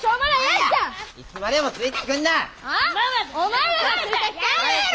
いつまでもついてくんな！